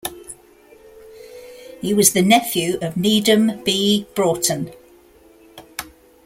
He was the nephew of Needham B. Broughton.